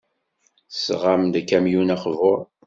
Tesɣam-d akamyun aqbur.